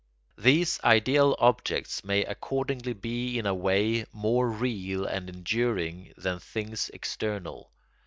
These ideal objects may accordingly be in a way more real and enduring than things external.